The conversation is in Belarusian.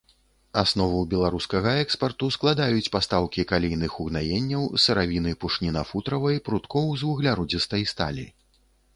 Аснову беларускага экспарту складаюць пастаўкі калійных угнаенняў, сыравіны пушніна-футравай, пруткоў з вугляродзістай сталі.